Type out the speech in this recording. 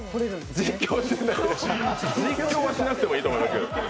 実況はしなくてもいいと思いますけど。